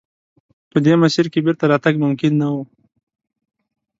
په دې مسیر کې بېرته راتګ ممکن نه و.